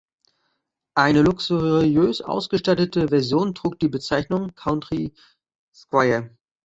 Eine luxuriös ausgestattete Version trug die Bezeichnung Country Squire.